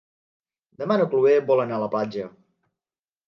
Demà na Chloé vol anar a la platja.